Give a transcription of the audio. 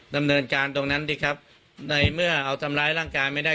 ดำเนินการตรงนั้นดิครับในเมื่อเอาทำร้ายร่างกายไม่ได้